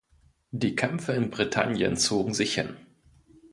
Die Kämpfe in Britannien zogen sich hin.